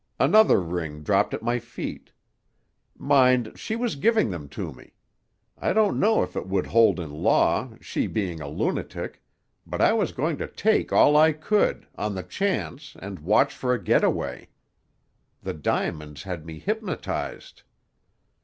Another ring dropped at my feet. Mind, she was giving them to me. I do not know if it would hold in law, she being a lunatic; but I was going to take all I could, on the chance, and watch for a getaway. The diamonds had me hypnotized.